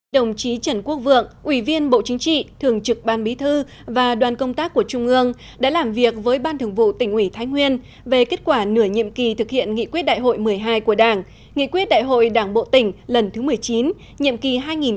đồng chí trần quốc vượng ủy viên bộ chính trị thường trực ban bí thư và đoàn công tác của trung ương đã làm việc với ban thường vụ tỉnh ủy thái nguyên về kết quả nửa nhiệm kỳ thực hiện nghị quyết đại hội một mươi hai của đảng nghị quyết đại hội đảng bộ tỉnh lần thứ một mươi chín nhiệm kỳ hai nghìn một mươi năm hai nghìn hai mươi